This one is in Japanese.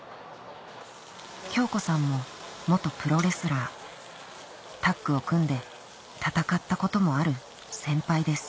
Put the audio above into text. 響子さんも元プロレスラータッグを組んで戦ったこともある先輩です